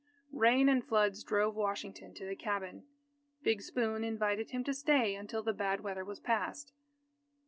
Rain and floods drove Washington to the cabin. Big Spoon invited him to stay until the bad weather was past.